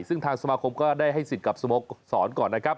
ซึ่งทางสมาคมก็ได้ให้สิทธิ์กับสมกษรก่อน